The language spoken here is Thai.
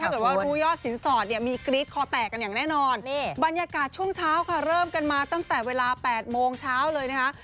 หรือว่ารู้ยอดสินสอดเนี่ยมีกรี๊ดคอแตกกันอย่างแน่นอนบรรยากาศช่วงเช้าค่ะเริ่มกันมาตั้งแต่เวลา๘โมงเช้าเลยนะคะ